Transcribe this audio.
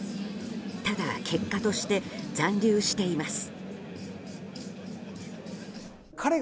ただ、結果として残留しています。